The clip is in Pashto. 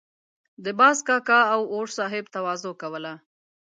د باز کاکا او اور صاحب تواضع کوله.